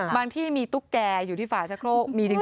ที่มีตุ๊กแก่อยู่ที่ฝาชะโครกมีจริง